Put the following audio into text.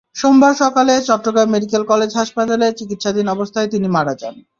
সোমবার সকালে Chittagong medical college হাসপাতালে চিকিৎসাধীন অবস্থায় তিনি মারা যান।